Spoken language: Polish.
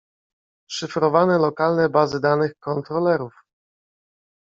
Szyfrowane lokalne bazy danych kontrolerów.